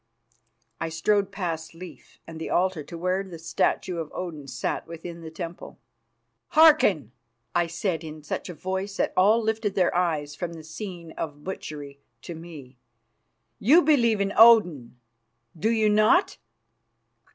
I strode past Leif and the altar to where the statue of Odin sat within the temple. "Hearken!" I said in such a voice that all lifted their eyes from the scene of butchery to me. "You believe in Odin, do you not?"